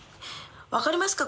分かりますか？